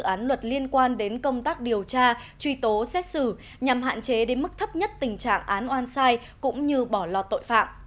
các dự án luật liên quan đến công tác điều tra truy tố xét xử nhằm hạn chế đến mức thấp nhất tình trạng án oan sai cũng như bỏ lọt tội phạm